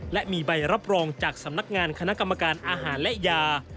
และมีใบรับรองจากสำนักงานคณะกรรมการอาหารและยา